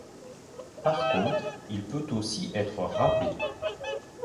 Par contre, il peut aussi être râpé.